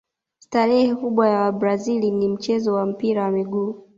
starehe kubwa ya wabrazil ni mchezo wa mpira wa miguu